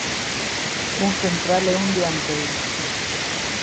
Un central e un dianteiro.